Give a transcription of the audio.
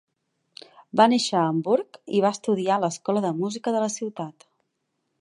Va néixer a Hamburg i va estudiar a l'Escola de Música de la ciutat.